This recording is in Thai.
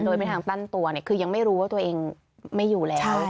โดยเป็นทางตั้งตัวเนี่ยคือยังไม่รู้ว่าตัวเองไม่อยู่แล้ว